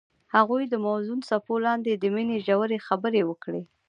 هغوی د موزون څپو لاندې د مینې ژورې خبرې وکړې.